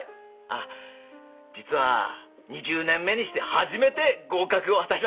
あっ実は２０年目にして初めて合格を果たしました。